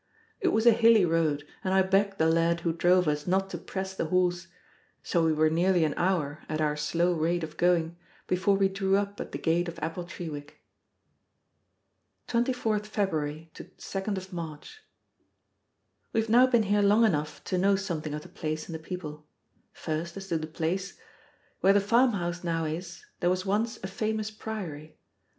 It was a hilly road, and I begged the lad who drove us not to press the horse; so we were nearly an hour, at our slow rate of going, before we drew up at the gate of Appletreewick. 24th February to 2d March. We have now been here long enough to know something of the place and the people. First, as to the place: Where the farmhouse now is, there was once a famous priory.